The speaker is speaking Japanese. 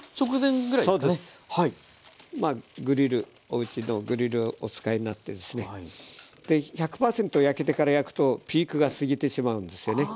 おうちのグリルお使いになってですね１００パーセント焼けてから焼くとピークが過ぎてしまうんですよね。